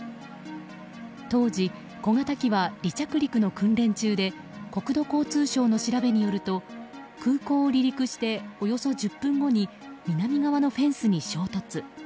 当時、小型機は離着陸の訓練中で国土交通省の調べによると空港を離陸しておよそ１０分後に南側のフェンスに衝突。